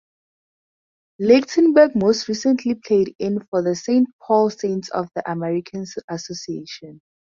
Ligtenberg most recently played in for the Saint Paul Saints of the American Association.